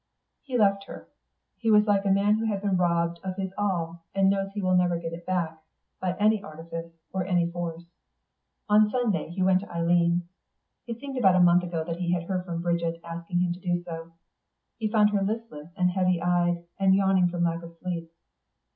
He left her. He was like a man who has been robbed of his all and knows he will never get it back, by any artifice or any force. On Sunday he went to Eileen. It seemed about a month ago that he had heard from Bridget asking him to do so. He found her listless and heavy eyed, and yawning from lack of sleep.